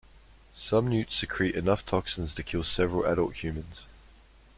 Some newts secrete enough toxins to kill several adult humans.